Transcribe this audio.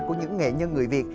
của những nghệ nhân người việt